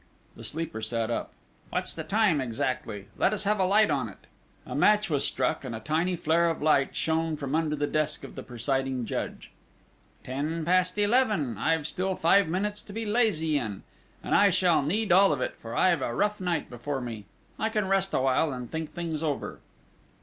The sleeper sat up: "What's the time exactly? Let us have a light on it!" A match was struck, and a tiny flare of light shone from under the desk of the presiding judge: "Ten past eleven! I've still five minutes to be lazy in and I shall need all of it, for I've a rough night before me! I can rest awhile, and think things over!"